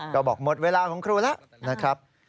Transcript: ก็บอกหมดเวลาของครูแล้วนะครับ